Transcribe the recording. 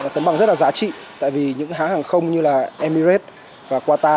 tấm bằng rất là giá trị tại vì những hãng hàng không như là emirates và qatar